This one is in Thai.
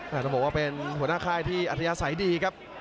ต้องบอกว่าเป็นหัวหน้าคลายที่อธิษฐ์ใสดีครับ